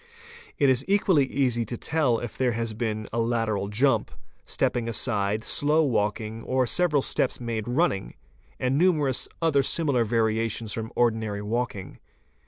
It is equally easy to tell if there has been a lateral jump, stepping aside, slow walking, or several steps made running, and numerous other similar variations from ordinary walking.